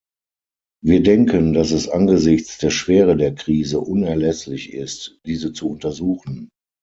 Wir denken, dass es angesichts der Schwere der Krise unerlässlich ist, diese zu untersuchen.